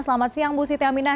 selamat siang bu siti aminah